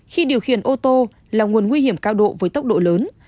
khi điều khiển ô tô là nguồn nguy hiểm cao độ với tốc độ lớn